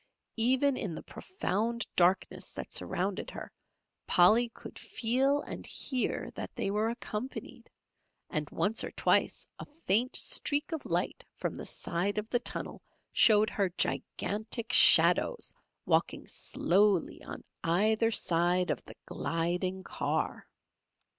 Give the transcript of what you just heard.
Even in the profound darkness that surrounded her, Polly could feel and hear that they were accompanied, and once or twice a faint streak of light from the side of the tunnel showed her gigantic shadows walking slowly on either side of the gliding car.